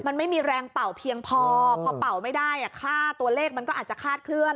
มันไม่มีแรงเป่าเพียงพอพอเป่าไม่ได้ค่าตัวเลขมันก็อาจจะคลาดเคลื